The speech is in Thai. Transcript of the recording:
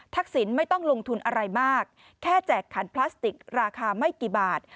สินไม่ต้องลงทุนอะไรมากแค่แจกขันพลาสติกราคาไม่กี่บาท